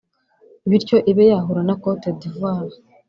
bityo ibe yahura na Cote d’ivoire